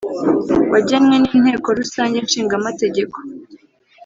wagenwe n Inteko Rusange nshingamategeko